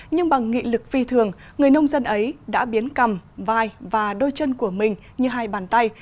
nhưng bằng nghị lực phi thường người nông dân ấy đã biến cầm vai và đôi chân của mình như hai bàn tay